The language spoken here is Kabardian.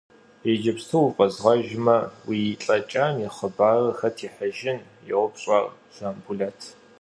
Иджыпсту уфӏэзгъэжмэ, уи лӏэкӏам и хъыбарыр хэт ихьыжын? – йоупщӏ ар Жамбулэт.